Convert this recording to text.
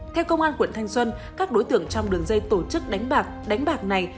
theo công an quận thanh xuân các đối tượng trong đường dây tổ chức đánh bạc đánh bạc này